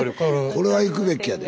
これは行くべきやで。